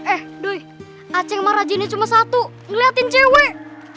eh ceng saya cuma rajin lihat cewek